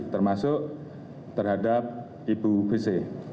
termasuk terhadap ibu wc